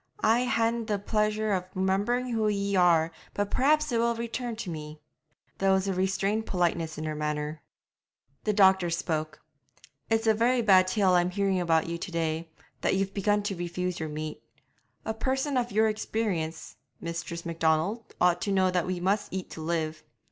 'I haena the pleasure of remembering who ye are, but perhaps it will return to me.' There was restrained politeness in her manner. The doctor spoke. 'It's a very bad tale I'm hearing about you to day, that you've begun to refuse your meat. A person of your experience, Mistress Macdonald, ought to know that we must eat to live.'